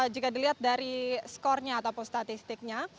jika dilihat dari skornya ataupun statistiknya